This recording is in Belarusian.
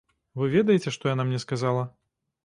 Вы ведаеце, што яна мне сказала.